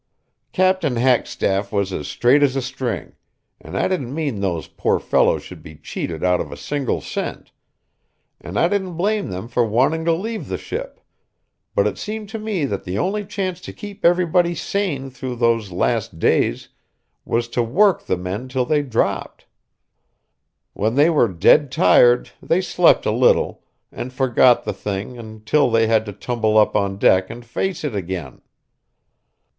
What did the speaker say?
Captain Hackstaff was as straight as a string, and I didn't mean those poor fellows should be cheated out of a single cent; and I didn't blame them for wanting to leave the ship, but it seemed to me that the only chance to keep everybody sane through those last days was to work the men till they dropped. When they were dead tired they slept a little, and forgot the thing until they had to tumble up on deck and face it again.